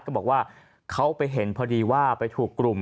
เขาบอกว่าเขาไปเห็นพอดีว่าไปถูกกลุ่ม